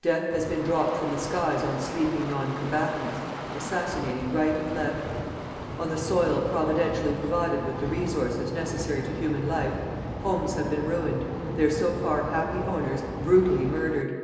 Death has been dropped from the skies on sleeping non combatants, assassinating right and left. On the soil Providentially provided with the resources necessary to human life, homes have been ruined, their so far happy owners brutally murdered.